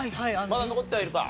まだ残ってはいるか？